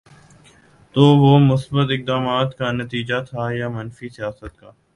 تو وہ مثبت اقدامات کا نتیجہ تھا یا منفی سیاست کا؟